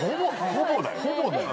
ほぼだよ。